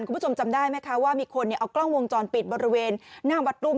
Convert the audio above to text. คุณผู้ชมจำได้ไหมคะว่ามีคนเอากล้องวงจรปิดบริเวณหน้าวัดรุ่ง